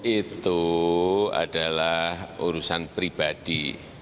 itu adalah urusan pribadi